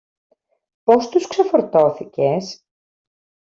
Πώς τους ξεφορτώθηκες;